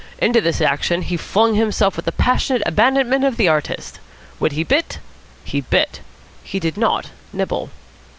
Into this action he flung himself with the passionate abandonment of the artist. When he bit he bit. He did not nibble.